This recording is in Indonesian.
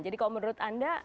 jadi kalau menurut anda